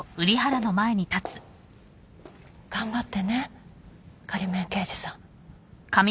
頑張ってね仮免刑事さん。